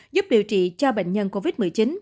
giúp điều trị cho bệnh nhân covid một mươi chín